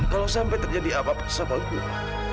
kalo sampe terjadi apa apa sama gua